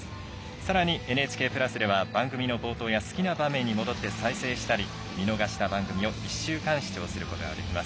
さらにＮＨＫプラスでは番組を好きなところに戻って視聴したり見逃した番組を１週間視聴することができます。